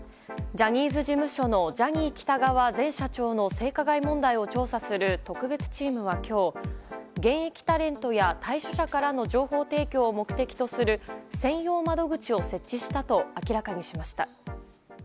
ジャニーズ事務所のジャニー喜多川前社長の性加害問題を調査する特別チームは、今日現役タレントや退所者からの情報提供を目的とする専用窓口を設置したと明らかにしました。